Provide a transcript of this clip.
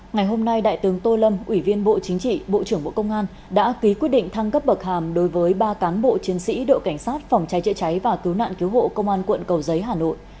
ngày hôm nay đại tướng tô lâm ủy viên bộ chính trị bộ trưởng bộ công an đã ký quyết định thăng cấp bậc hàm đối với ba cán bộ chiến sĩ đội cảnh sát phòng cháy chữa cháy và cứu nạn cứu hộ công an quận cầu giấy hà nội